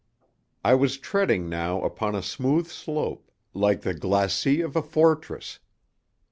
I was treading now upon a smooth slope, like the glacis of a fortress.